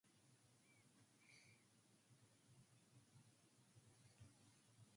She attended West High School in Minneapolis.